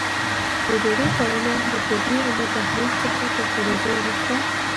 د ډوډۍ خوړلو د کوټې او له دهلېز څخه تر تېرېدو وروسته.